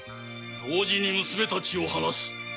同時に娘たちを放す。